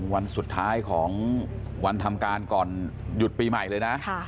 วันสุดท้ายของวันทำการก่อนหยุดปีใหม่เลยนะ